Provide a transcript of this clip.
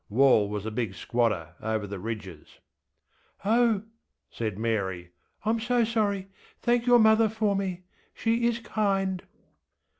ŌĆÖ (Wall was the big squatter over the ridges.) ŌĆśOh! ŌĆÖ said Mary, ŌĆśIŌĆÖm so sorry. Thank your mother for me. She is kind.